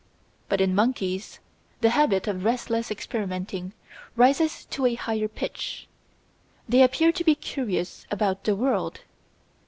But in monkeys the habit of restless experimenting rises to a higher pitch. They appear to be curious about the world.